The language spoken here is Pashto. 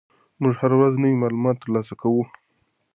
موږ هره ورځ نوي معلومات ترلاسه کوو.